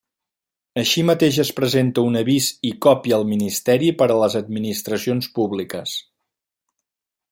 Així mateix es presenta un avís i còpia al Ministeri per a les Administracions Públiques.